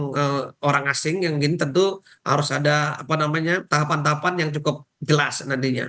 tapi juga banyak yang orang asing yang ini tentu harus ada tahapan tahapan yang cukup jelas nantinya